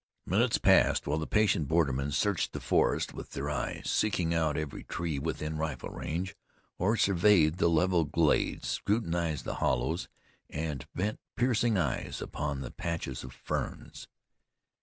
Minutes passed while the patient bordermen searched the forest with their eyes, seeking out every tree within rifle range, or surveyed the level glades, scrutinized the hollows, and bent piercing eyes upon the patches of ferns.